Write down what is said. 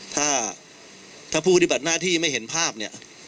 ถ้าถ้าผู้ปฏิบัติหน้าที่ไม่เห็นภาพเนี่ย